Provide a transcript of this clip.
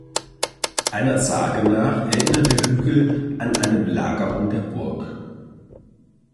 Einer Sage nach erinnert der Hügel an eine Belagerung der Burg.